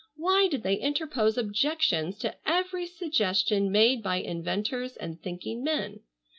Why did they interpose objections to every suggestion made by inventors and thinking men?